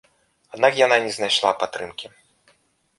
Аднак яна не знайшла падтрымкі.